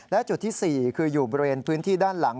และจุดที่๔คืออยู่บริเวณพื้นที่ด้านหลัง